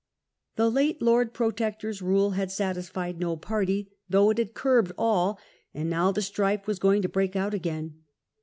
The late Lord Protector's rule had satisfied no party, though it had curbed all : and now the strife was going to break out again.